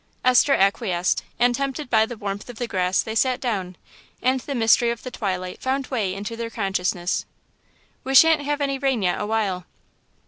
Esther acquiesced; and tempted by the warmth of the grass they sat down, and the mystery of the twilight found way into their consciousness. "We shan't have any rain yet awhile."